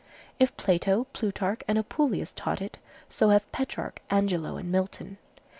If Plato, Plutarch and Apuleius taught it, so have Petrarch, Angelo and Milton.